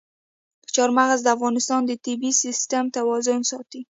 چار مغز د افغانستان د طبعي سیسټم توازن ساتي.